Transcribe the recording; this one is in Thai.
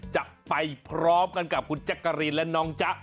จะไปพร้อมกันกับคุณแจ๊กกะรีนและน้องจ๊ะ